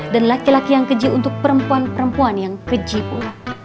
dan laki laki yang keji untuk perempuan perempuan yang keji pula